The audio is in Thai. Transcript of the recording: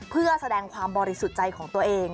เพื่อแสดงความบริสุทธิ์ใจของตัวเอง